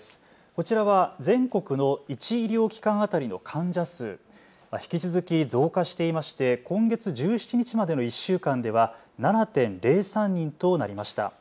こちらは全国の１医療機関当たりの患者数、引き続き増加していまして今月１７日までの１週間では７．０３人となりました。